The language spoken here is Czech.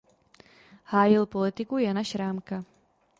Hájil politiku Jana Šrámka.